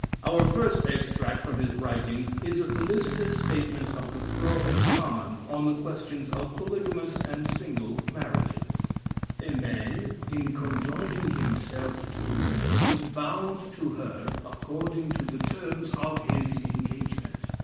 Our first extract from his writings is a felicitous statement of the pro and con., on the questions of polygamous and single, marriages: "A man, in conjoining himself to a woman, is bound to her according to the terms of his engagement.